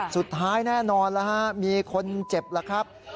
สุดท้ายแน่นอนมีคนเจ็บแล้วครับ